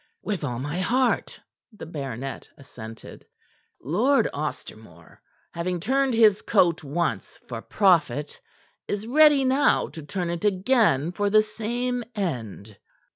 "With all my heart," the baronet assented. "Lord Ostermore, having turned his coat once for profit, is ready now to turn it again for the same end.